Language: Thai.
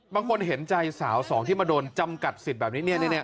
บางคนเห็นใจสาวสองที่มาโดนจำกัดสิทธิ์แบบนี้